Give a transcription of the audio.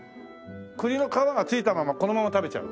栗の皮が付いたままこのまま食べちゃう？